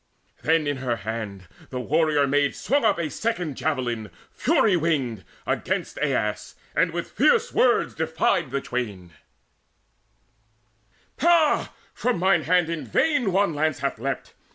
Then in her hand the warrior maid swung up A second javelin fury winged, against Aias, and with fierce words defied the twain: "Ha, from mine hand in vain one lance hath leapt!